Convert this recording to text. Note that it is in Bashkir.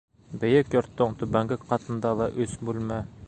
Бейек йорттоң түбәнге ҡатында ла өс бүлмә.